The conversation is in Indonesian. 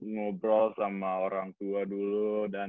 ngobrol sama orang tua dulu dan